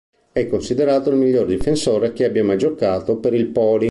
È considerato il miglior difensore che abbia mai giocato per il Poli.